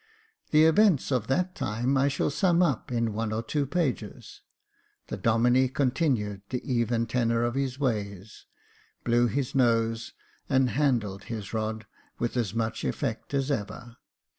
The events of that time I shall sum up in one or two pages. The Domine continued the even tenor of his way — blew his nose and handled his rod with as much effect as ever.